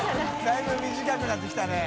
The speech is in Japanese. だいぶ短くなってきたね。